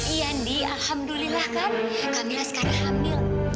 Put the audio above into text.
iya ndi alhamdulillah kan kamila sekali hamil